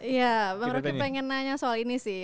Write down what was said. iya bang roky pengen nanya soal ini sih